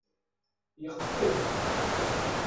Yeqfez.